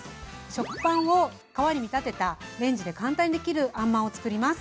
食パンを皮に見立てたレンジで簡単にできるあんまんをつくります。